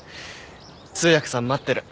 通訳さん待ってる。